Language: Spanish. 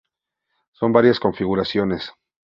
Son varias configuraciones.